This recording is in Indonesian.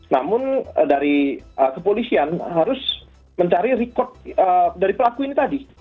namun dari kepolisian harus mencari rekod dari pelaku ini tadi